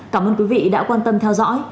cảm ơn quý vị đã quan tâm theo dõi